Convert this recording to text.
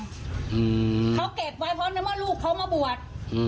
เขาเก็บไว้เพราะลูกเขามาบวช